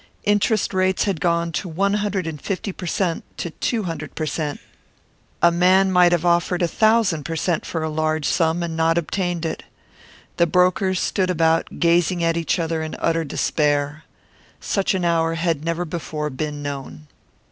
Interest rates had gone to one hundred and fifty per cent to two hundred per cent; a man might have offered a thousand per cent for a large sum and not obtained it. The brokers stood about, gazing at each other in utter despair. Such an hour had never before been known.